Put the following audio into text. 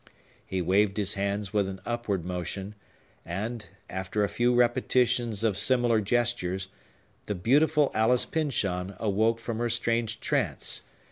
He waved his hands with an upward motion; and, after a few repetitions of similar gestures, the beautiful Alice Pyncheon awoke from her strange trance.